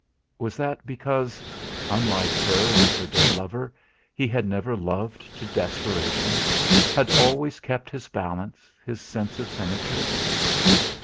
Was that because unlike her and her dead lover, he had never loved to desperation, had always kept his balance, his sense of symmetry.